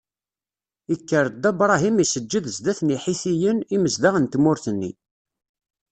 Ikker Dda Bṛahim iseǧǧed zdat n Iḥitiyen, imezdaɣ n tmurt-nni.